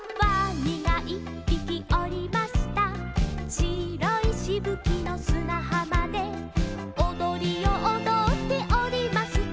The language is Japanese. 「しろいしぶきのすなはまで」「おどりをおどっておりますと」